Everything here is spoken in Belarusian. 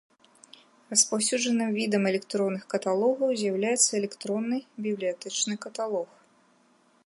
Распаўсюджаным відам электронных каталогаў з'яўляецца электронны бібліятэчны каталог.